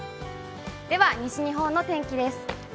では、西日本の天気です。